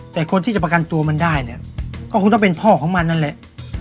แต่คนที่จะประกันตัวมันได้เนี่ยก็คงต้องเป็นพ่อของมันนั่นแหละ